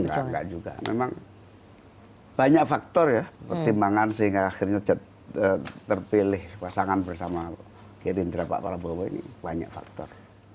enggak enggak juga memang banyak faktor ya pertimbangan sehingga akhirnya terpilih pasangan bersama gerindra pak prabowo ini banyak faktor